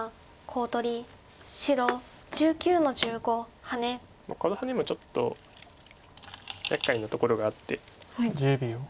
このハネもちょっと厄介なところがあって。